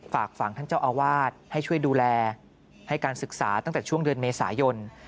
ฝากฝั่งท่านเจ้าอาวาสให้ช่วยดูแลให้การศึกษาตั้งแต่ช่วงเดือนเมษายน